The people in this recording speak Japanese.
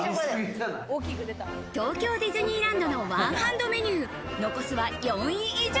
東京ディズニーランドのワンハンドメニュー、残すは４位以上。